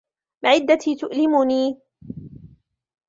معدتي تؤلمني.